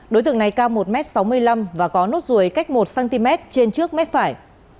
đối tượng này cao một m sáu mươi năm và có nốt ruồi cách một cm trên trước mép phải